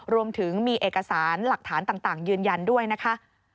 รวมถึงมีเอกสารหลักฐานต่างยืนยันด้วยนะคะ